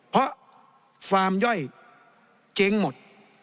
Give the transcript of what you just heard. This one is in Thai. เพราะฟาร์มย่อยเจ๊งหมด